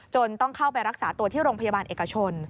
ต้องเข้าไปรักษาตัวที่โรงพยาบาลเอกชน